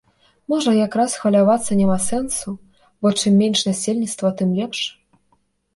Можа як раз хвалявацца няма сэнсу, бо чым менш насельніцтва, тым лепш?